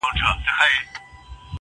ها دی سلام يې وکړ,